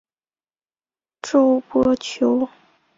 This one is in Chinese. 皱波球根鸦葱为菊科鸦葱属的植物。